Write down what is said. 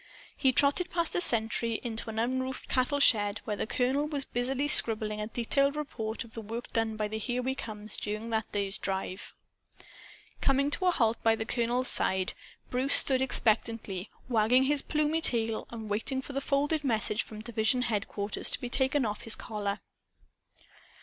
He trotted past a sentry, into an unroofed cattle shed where the colonel was busily scribbling a detailed report of the work done by the "Here We Comes" during that day's drive. Coming to a halt by the colonel's side, Bruce stood expectantly wagging his plumy tail and waiting for the folded message from division headquarters to be taken off his collar.